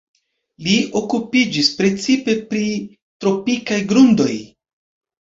Li okupiĝis precipe pri tropikaj grundoj.